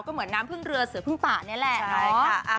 ก็เหมือนน้ำพึ่งเรือเสือพึ่งป่านี่แหละ